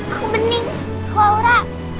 aku bening aku aura